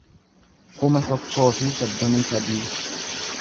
kuma tokkoo fi soddomii sadii